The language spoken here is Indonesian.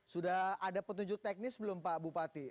sudah ada petunjuk teknis belum pak bupati